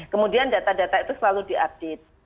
kemudian data data itu selalu di update